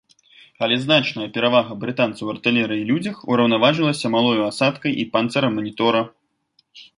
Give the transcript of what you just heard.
Але значная перавага брытанцаў у артылерыі і людзях ураўнаважвалася малою асадкай і панцырам манітора.